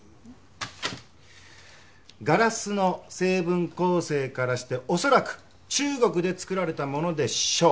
ガラスの成分構成からして恐らく中国で作られたものでしょう。